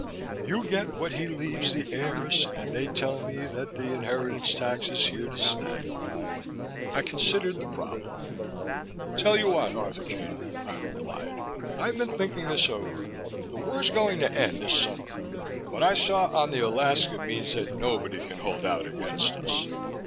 You get what he leaves the heirs and they tell me that the inheritance tax is here to stay." I considered the problem. "Tell you what, Arthurjean," I replied. "I've been thinking this over. The war's going to end this summer. What I saw on the Alaska means that nobody can hold out against us.